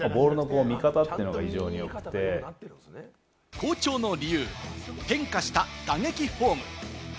好調の理由、変化した打撃フォーム。